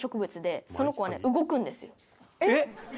えっ！